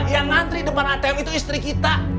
yang ngantri depan atm itu istri kita